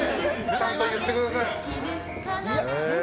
ちゃんと言ってください。